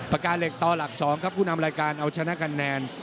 ปากกาเหล็กต่อหลัก๒ครับผู้นำรายการเอาชนะคะแนน